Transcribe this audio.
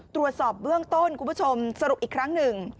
ตรวจสอบเบื้องต้นคุณผู้ชมสรุปอีกครั้งหนึ่ง